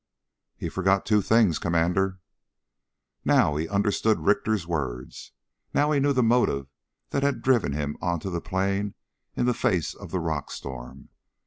"He forgot two things, Commander...." Now he understood Richter's words. Now he knew the motive that had driven him onto the plain in the face of the rock storm.